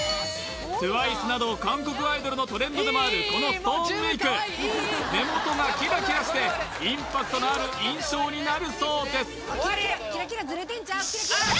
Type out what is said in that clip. ＴＷＩＣＥなど韓国アイドルのトレンドでもあるこのストーンメイク目元がキラキラしてインパクトのある印象になるそうですよし